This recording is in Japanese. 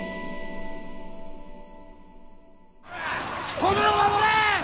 米を守れ！